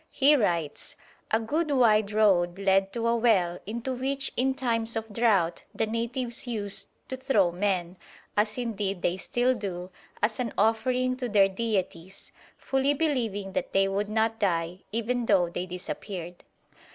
He writes: "A good wide road led to a well into which in times of drought the natives used to throw men, as indeed they still do, as an offering to their deities, fully believing that they would not die, even though they disappeared.